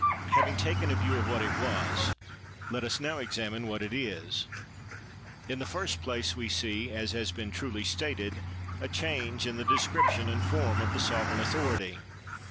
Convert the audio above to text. Having taken a view of what it was, let us now examine what it is. In the first place we pee, as has been truly stated, a change in the description and form of the sovereign author ity.